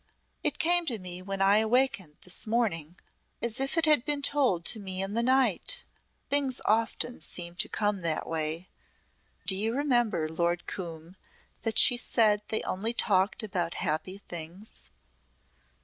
"It came to me when I awakened this morning as if it had been told to me in the night. Things often seem to come that way. Do you remember, Lord Coombe, that she said they only talked about happy things?"